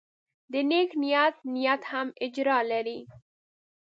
د نیک نیت نیت هم اجر لري.